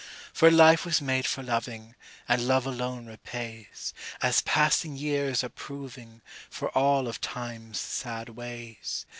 For life was made for loving, and love alone repays, As passing years are proving, for all of Time's sad ways.